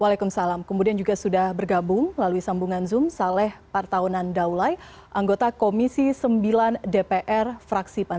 waalaikumsalam kemudian juga sudah bergabung lalui sambungan zoom saleh partaunan daulay anggota komisi sembilan dpr fraksipan